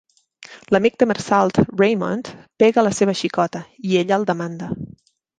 L'amic de Mersault Raymond pega la seva xicota i ella el demanda.